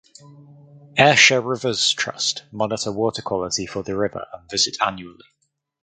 Ayrshire Rivers Trust monitor water quality for the river and visit annually.